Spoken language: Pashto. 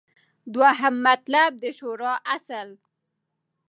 دوهم مطلب : د شورا اصل